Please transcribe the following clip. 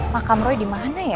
makam ruy dimana ya